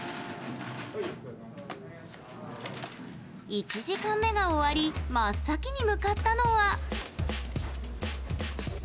１時間目が終わり真っ先に向かったのは。